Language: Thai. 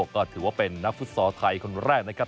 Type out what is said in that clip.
ก็ถือว่าเป็นนักฟุตซอลไทยคนแรกนะครับ